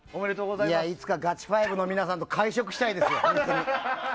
いつかガチファイブの皆さんと会食したいですよ。